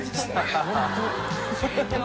ハハハ